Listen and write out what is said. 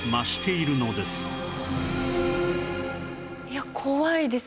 いや怖いですね。